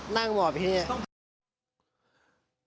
หน้างหมอบแบบนี้